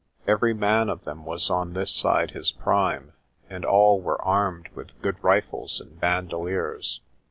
Every man of them was on this side his prime, and all were armed with good rifles and bandoliers.